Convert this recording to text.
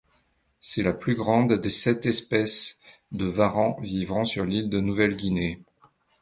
C'est la plus grande des sept espèces de varans vivant sur l'île de Nouvelle-Guinée.